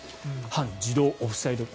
半自動オフサイド。